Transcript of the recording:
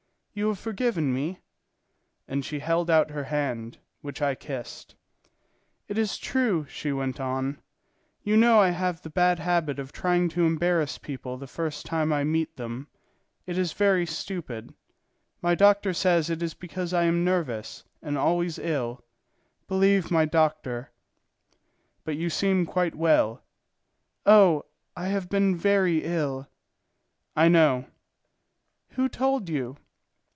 You have forgiven me?" And she held out her hand, which I kissed. "It is true," she went on; "you know I have the bad habit of trying to embarrass people the first time I meet them. It is very stupid. My doctor says it is because I am nervous and always ill; believe my doctor." "But you seem quite well." "Oh! I have been very ill." "I know." "Who told you?"